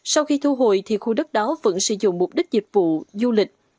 sau khi thu hồi thì khu đất đó vẫn sử dụng mục đích dịch vụ du lịch